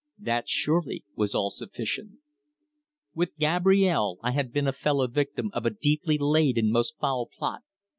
That surely was all sufficient! With Gabrielle I had been a fellow victim of a deeply laid and most foul plot.